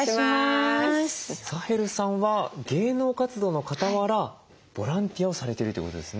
サヘルさんは芸能活動のかたわらボランティアをされているということですね。